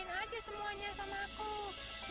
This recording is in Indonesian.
nah jadi apa yang kamu lakukan